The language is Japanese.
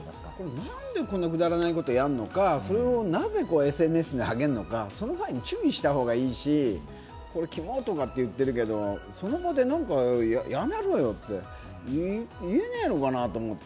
何でこんなくだらないことをやるのか、なぜＳＮＳにあげるのか、その場合、注意したほうがいいし、「キモ」とかって言ってるけど、その場でやめろよっていえねえのかなと思って。